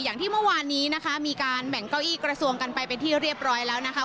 อย่างที่เมื่อวานนี้นะคะมีการแบ่งเก้าอี้กระทรวงกันไปเป็นที่เรียบร้อยแล้วนะคะ